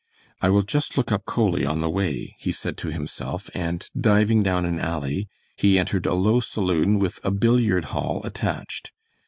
"I will just look up Coley on the way," he said to himself, and diving down an alley, he entered a low saloon with a billiard hall attached.